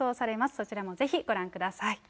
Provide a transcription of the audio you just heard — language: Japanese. そちらもぜひご覧ください。